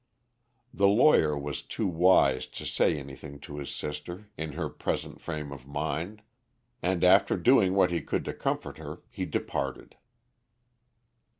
The lawyer was too wise to say anything to his sister in her present frame of mind, and after doing what he could to comfort her he departed.